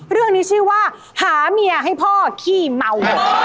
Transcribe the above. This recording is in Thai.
เรื่องนี้ชื่อว่าหาเมียให้พ่อขี้เมา